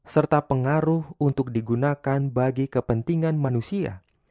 serta pengaruh untuk digunakan bagi kepentingan manusia